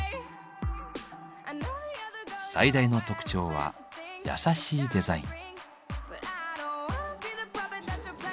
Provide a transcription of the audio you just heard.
最大の特徴は優しいデザイン。